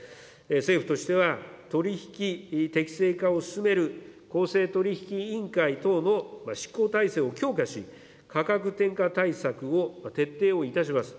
政府としては、取り引き適正化を進める、公正取引委員会等の執行体制を強化し、価格転嫁対策を徹底をいたします。